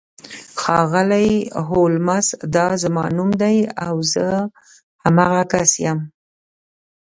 ښاغلی هولمز دا زما نوم دی او زه همغه کس یم